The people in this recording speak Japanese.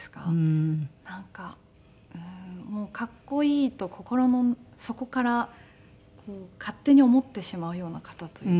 なんか「かっこいい」と心の底から勝手に思ってしまうような方というか。